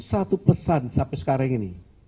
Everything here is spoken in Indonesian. satu pesan sampai sekarang ini